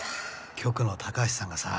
局の高橋さんがさ